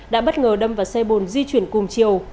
đã bất ngờ đâm vào xe bồn di chuyển cùng chiều